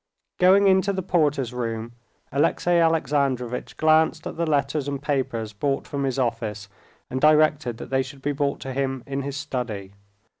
Going into the porter's room, Alexey Alexandrovitch glanced at the letters and papers brought from his office, and directed that they should be brought to him in his study.